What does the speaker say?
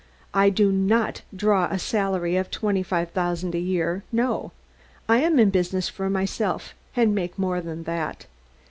I do not draw a salary of twenty five thousand a year, no. I am in business for myself, and make more than that.